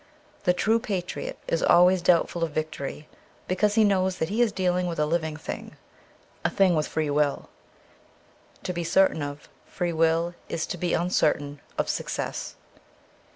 The true patriot is always doubtful of victory ; because he knows that he is dealing with a living thing ; a thing with free will. To be certain of free will is to be uncertain of success.